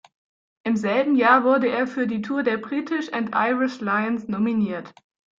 Im selben Jahr wurde er für die Tour der British and Irish Lions nominiert.